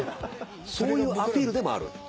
そういうアピールでもある？